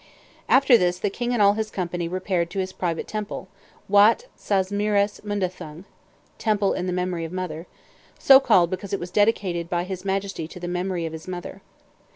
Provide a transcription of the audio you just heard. After this, the king and all his company repaired to his private temple, Watt Sasmiras Manda thung, [Footnote: "Temple in Memory of Mother."] so called because it was dedicated by his Majesty to the memory of his mother.